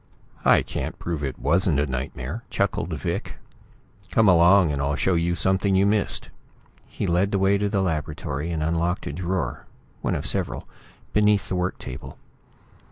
"I can prove it wasn't a nightmare," chuckled Vic. "Come along, and I'll show you something you missed." He led the way to the laboratory, and unlocked a drawer, one of several, beneath the work table.